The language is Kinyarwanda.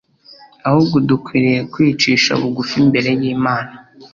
Ahubwo dukwiriye kwicisha bugufi imbere y'Imana.